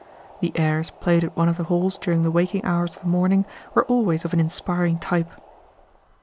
The airs played at one of the halls during the waking hours of the morning were always of an inspiring type.